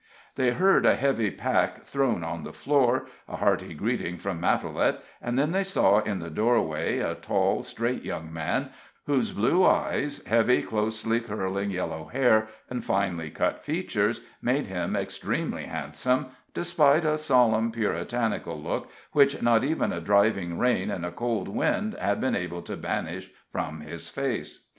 They heard a heavy pack thrown on the floor, a hearty greeting from Matalette, and then they saw in the doorway a tall, straight young man, whose blue eyes, heavy, closely curling yellow hair and finely cut features made him extremely handsome, despite a solemn, puritanical look which not even a driving rain and a cold wind had been able to banish from his face.